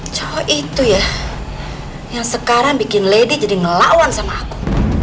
cowok itu ya yang sekarang bikin lady jadi ngelawan sama aku